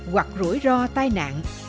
hoặc rủi ro tai nạn